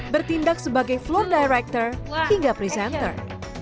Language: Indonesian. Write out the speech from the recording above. bertindak sebagai floor director hingga presenter